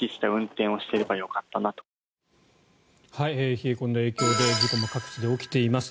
冷え込んだ影響で事故も各地で起きています。